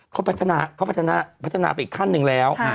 เขาพัฒนาไปอีกขั้นหนึ่งแล้ว